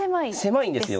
狭いんですよね。